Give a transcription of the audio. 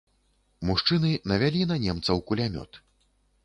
Мужчыны навялі на немцаў кулямёт.